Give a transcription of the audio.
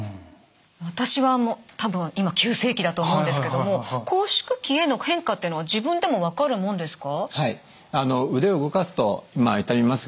私は多分今急性期だと思うんですけども拘縮期への変化っていうのは自分でも分かるもんですか？